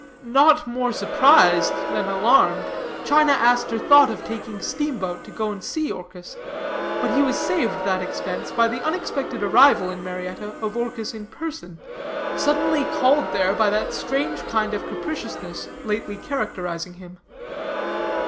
Not more surprised than alarmed, China Aster thought of taking steamboat to go and see Orchis, but he was saved that expense by the unexpected arrival in Marietta of Orchis in person, suddenly called there by that strange kind of capriciousness lately characterizing him.